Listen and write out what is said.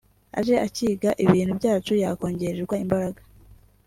aje akiga ibintu byacu yakongererwa imbaraga